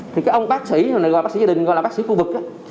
thì cái ông bác sĩ này gọi là bác sĩ gia đình gọi là bác sĩ khu vực